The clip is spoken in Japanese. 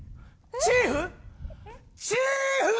チーフ？